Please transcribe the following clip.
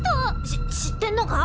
し知ってんのか？